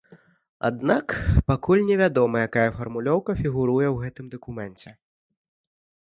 Аднак пакуль не вядома, якая фармулёўка фігуруе ў гэтым дакуменце.